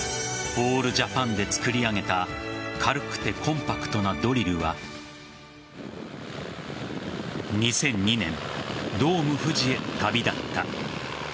オールジャパンで作り上げた軽くてコンパクトなドリルは２００２年ドームふじへ旅立った。